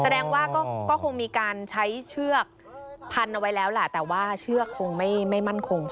เขาคงมีการใช้เชือกพันเอาไว้แล้วล่ะแต่ว่าเชือกคงไม่มั่นคงพอ